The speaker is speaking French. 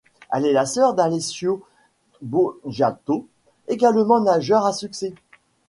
Elle est la sœur d'Alessio Boggiatto, également nageur à succès.